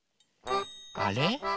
あれ？